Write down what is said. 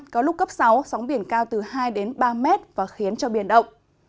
có lúc cấp sáu sóng biển cao từ hai ba mét và khiến cho biển động